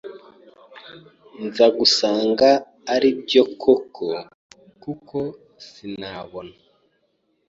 nza gusanga ari byo koko kuko sinabona